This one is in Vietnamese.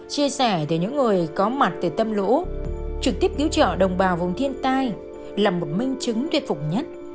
chia sẻ từ những người có mặt từ tâm lũ trực tiếp cứu trợ đồng bào vùng thiên tai là một minh chứng tuyệt vụ nhất